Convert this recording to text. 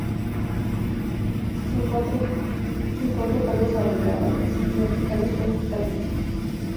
Sus cuatro patas alargadas y verticales perfectamente le permitían ejecutar cualquier tipo de misión.